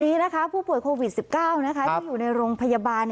นี้นะคะผู้ป่วยโควิด๑๙ที่อยู่ในโรงพยาบาล